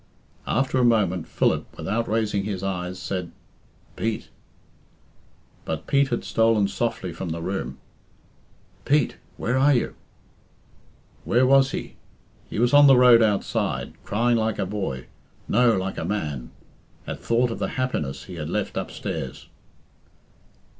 After a moment, Philip, without raising his eyes, said, "Pete!" But Pete had stolen softly from the room. "Pete! where are you?" Where was he? He was on the road outside, crying like a boy no, like a man at thought of the happiness he had left upstairs.